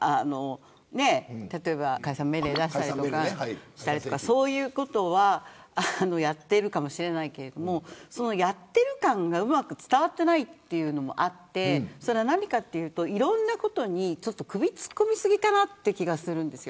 例えば解散命令を出したりそういうことはやっているかもしれないけどやっている感がうまく伝わっていないのもあって何かというと、いろんなことに首を突っ込み過ぎかなという気がします。